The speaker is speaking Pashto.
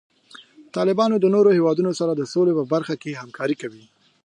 طالبان د نورو هیوادونو سره د سولې په برخه کې همکاري کوي.